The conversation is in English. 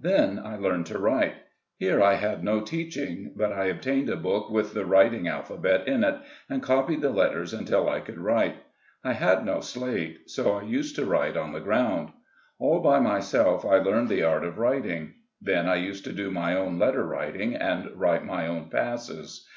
Then I learned to write. Here I had no teach ing ; but I obtained a book with the writing alpha bet in it, and copied the letters until I could write. I had no slate, so I used to write on the ground. All by myself I learned the art of writing. Then I used to do my own letter writing, and write my own passes.